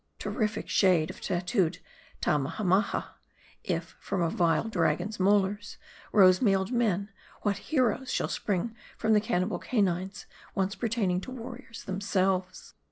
Terrific shade of tattooed Tammahammaha ! if, from a vile dragon's molars, rose mailed men, what heroes shall spring from the cannibal canines once pertaining to warriors themselves